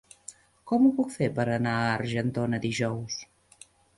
Com ho puc fer per anar a Argentona dijous?